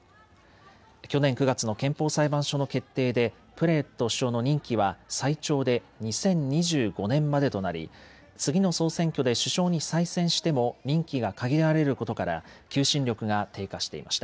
去年９月の憲法裁判所の決定でプラユット首相の任期は最長で２０２５年までとなり次の総選挙で首相に再選しても任期が限られることから求心力が低下していました。